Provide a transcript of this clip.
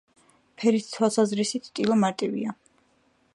ფერითი თვალსაზრისით ტილო მარტივია.